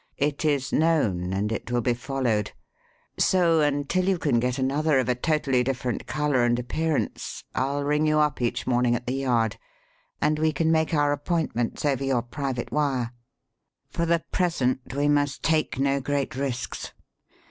It is known and it will be followed; so, until you can get another of a totally different colour and appearance I'll ring you up each morning at the Yard and we can make our appointments over your private wire. For the present we must take no great risks.